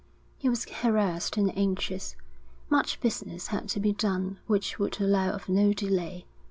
He was harassed and anxious. Much business had to be done which would allow of no delay.